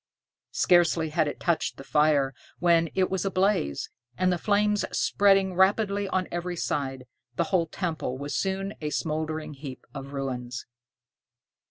Scarcely had it touched the fire when it was ablaze, and the flames spreading rapidly on every side, the whole temple was soon a smoldering heap of ruins.